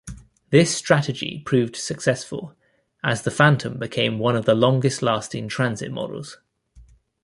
This strategy proved successful, as the Phantom became one of the longest-lasting transit models.